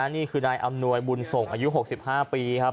นี่คือนายอำนวยบุญส่งอายุ๖๕ปีครับ